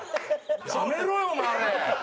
やめろよお前あれ。